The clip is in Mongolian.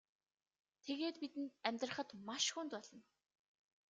Тэгээд бидэнд амьдрахад маш хүнд болно.